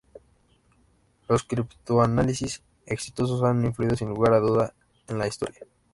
Los criptoanálisis exitosos han influido sin lugar a dudas en la Historia.